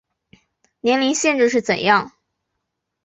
年龄限制是怎样